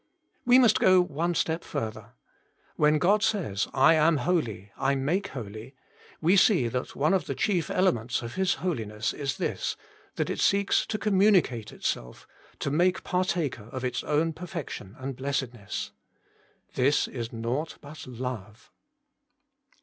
We must go one step further. When God says, ' I am holy :/ make holy,' we see that one of the chief elements of His Holiness is this, that it seeks to communicate itself, to make partaker of its own perfection and blessedness. This is nought but Love.